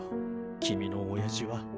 君の親父は。